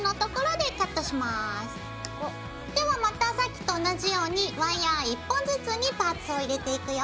ではまたさっきと同じようにワイヤー１本ずつにパーツを入れていくよ。